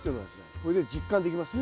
これで実感できますね。